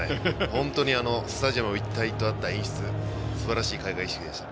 本当に、スタジアムが一体となった演出すばらしい開会式でした。